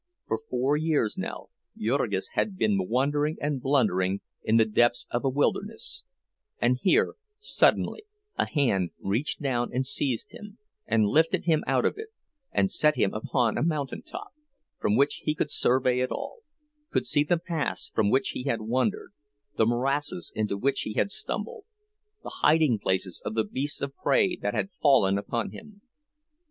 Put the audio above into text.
For four years, now, Jurgis had been wondering and blundering in the depths of a wilderness; and here, suddenly, a hand reached down and seized him, and lifted him out of it, and set him upon a mountain top, from which he could survey it all—could see the paths from which he had wandered, the morasses into which he had stumbled, the hiding places of the beasts of prey that had fallen upon him.